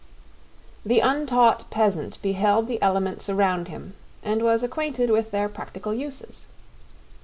The untaught peasant beheld the elements around him and was acquainted with their practical uses.